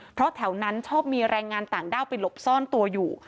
เพราะแถวนั้นชอบมีแรงงานต่างด้าวไปหลบซ่อนตัวอยู่